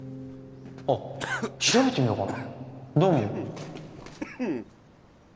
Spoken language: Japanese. あっ調べてみようかなどう思う？